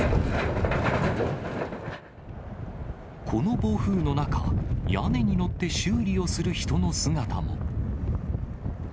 この暴風の中、屋根に乗って修理をする人の姿も。